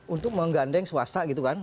untuk menggandeng swasta gitu kan